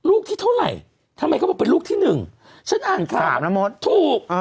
ลูกที่เท่าไหร่ทำไมเขาบอกเป็นลูกที่หนึ่งฉันอ่านข่าวนะมดถูก